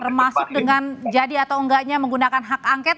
termasuk dengan jadi atau enggaknya menggunakan hak angket